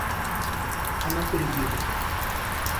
Она перебила его.